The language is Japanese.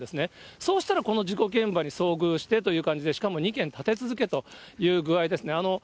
そうしたらこの事故現場に遭遇してという感じで、しかも２件立て続けという具合ですね。